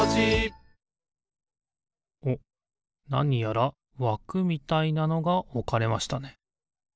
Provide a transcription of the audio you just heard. なにやらわくみたいなのがおかれましたね。